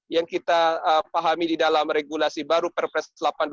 yang kita pahami di dalam regulasi baru perpres delapan dua ribu dua